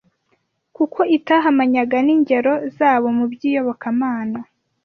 kuko itahamanyaga n’ingero zabo mu by’iyobokamana